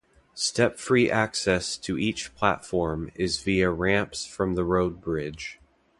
Step-free access to each platform is via ramps from the road bridge.